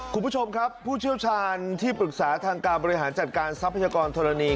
คุณผู้ชมครับผู้เชี่ยวชาญที่ปรึกษาทางการบริหารจัดการทรัพยากรธรณี